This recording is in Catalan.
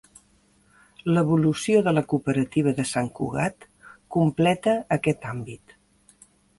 L'evolució de la cooperativa de Sant Cugat completa aquest àmbit.